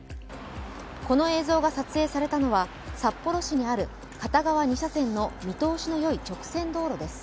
この映像が撮影されたのは札幌市にある片側２車線の見通しのよい直線道路です。